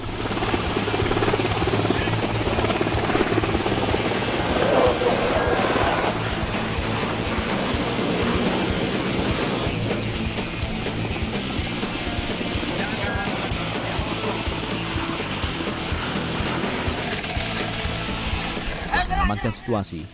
sebelum mengamankan situasi